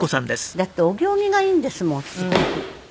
だってお行儀がいいんですもんすごく。